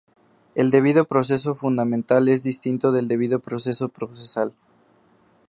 El debido proceso fundamental es distinto del debido proceso procesal.